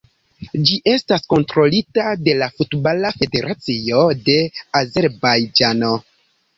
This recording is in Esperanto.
Ĝi estas kontrolita de la Futbala Federacio de Azerbajĝano.